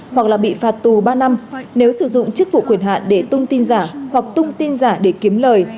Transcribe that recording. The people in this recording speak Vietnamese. hoặc là bị phạt tù ba năm nếu sử dụng chức vụ quyền hạn để tung tin giả hoặc tung tin giả để kiếm lời